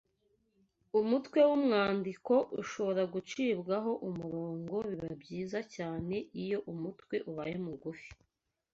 Umutwe w’umwandiko ushobora gucibwaho umurongo Biba byiza cyane iyo umutwe ubaye mugufi